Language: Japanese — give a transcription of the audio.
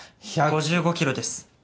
５５キロです。